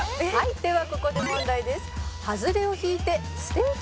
ではここで問題です」